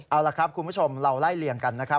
เอาล่ะครับคุณผู้ชมเราไล่เลี่ยงกันนะครับ